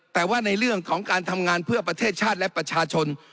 แต่ว่าในเรื่องของการทำงานเพื่อประเทศชาติและประชาชน